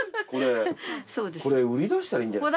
これ売り出したらいいんじゃない？